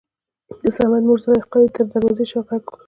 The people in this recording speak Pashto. دصمد مور زليخا دې دروازې تر شا غږ وکړ.